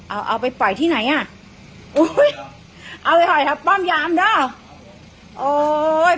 เอาเอาไปปล่อยที่ไหนอ่ะเอาไว้หอยครับป้อมยามด้าโอ้ย